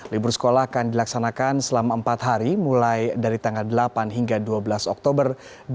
libur sekolah akan dilaksanakan selama empat hari mulai dari tanggal delapan hingga dua belas oktober dua ribu dua puluh